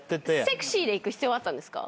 セクシーでいく必要あったんですか？